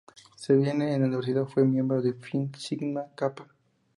Si bien en la universidad, fue miembro de Phi Sigma Kappa.